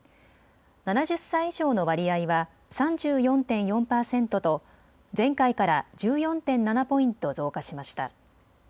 ７０歳以上の割合は３４．４％と前回から１４．７ポイント増加しました。